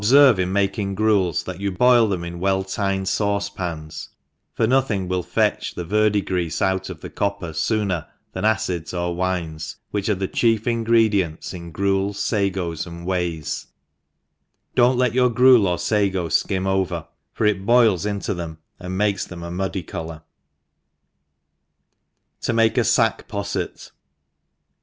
— Obfcrvc in making gruels, that you boil them in well tinned fancepanst for nothing will fetch $he verdigreafe ou^ of copper fooner thm acids or wine, which arc the chief ingredients in gruels, fagos, and wheys ; do not let youi: gruel or fago fkim over, for it boil^ into th^ffi ^nd makes them a muddy colour » To make a Sack PessET.